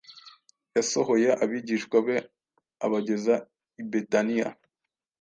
yasohoye abigishwa be abageza i Betaniya.